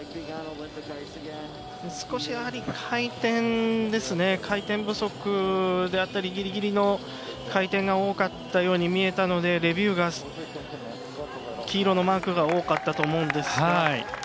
少し回転不足だったりギリギリの回転が多かったように見えたのでレビューが黄色のマークが多かったと思うんですが。